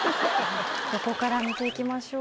どこから見ていきましょう？